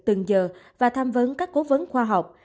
từng giờ và tham vấn các cố vấn khoa học